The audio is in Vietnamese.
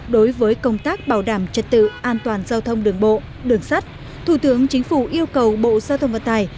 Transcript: đối với công tác bảo đảm trật tự an toàn giao thông đường bộ đường sắt thủ tướng chính phủ yêu cầu bộ giao thông vận tải